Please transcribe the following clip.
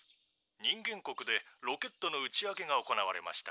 人間国でロケットの打ち上げが行われました」。